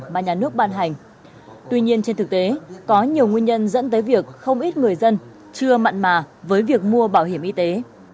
dẫn tới việc không ít người dân chưa mặn mà với việc mua bảo hiểm y tế